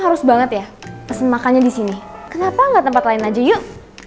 gue pilih karena gak mau pedes